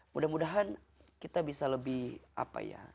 mudah mudahan kita bisa lebih apa ya